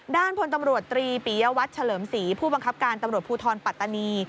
ด้านพลตำรวจตรีปียวัตรเฉลิมศรีผู้บังคับการตำรวจภูทรปัตตานี